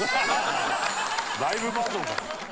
「ライブバージョンじゃん」